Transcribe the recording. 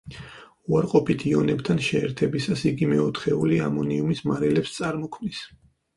უარყოფით იონებთან შეერთებისას იგი მეოთხეული ამონიუმის მარილებს წარმოქმნის.